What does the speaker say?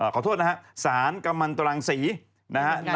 ขอโทษนะฮะสารกรรมันตรภาพภาพภาพภาพศรี